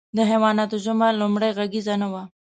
د حیواناتو ژبه لومړۍ غږیزه نه وه.